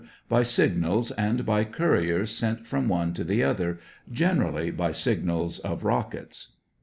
By signals and by couriers sent from one to the other; generally by signals of rockets.